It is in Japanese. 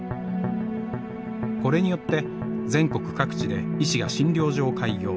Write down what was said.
これによって全国各地で医師が診療所を開業。